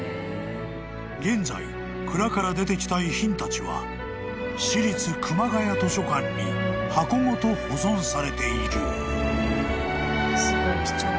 ［現在蔵から出てきた遺品たちは市立熊谷図書館に箱ごと保存されている］